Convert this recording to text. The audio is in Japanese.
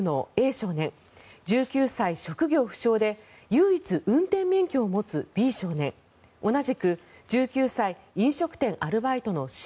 少年１９歳、職業不詳で唯一、運転免許を持つＢ少年同じく１９歳飲食店アルバイトのＣ